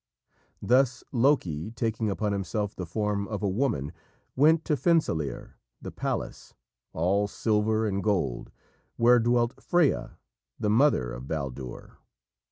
Thus Loki, taking upon himself the form of a woman, went to Fensalir, the palace, all silver and gold, where dwelt Freya, the mother of Baldur.